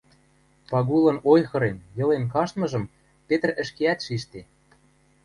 Пагулын ойхырен, йылен каштмыжым Петр ӹшкеӓт шижде.